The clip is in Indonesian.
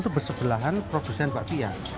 itu bersebelahan produksi bakpia